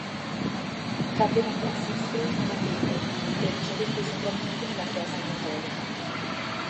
Caterina si istruì nella fede e ricevette i sacramenti nella Chiesa cattolica.